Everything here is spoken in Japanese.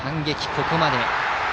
ここまで。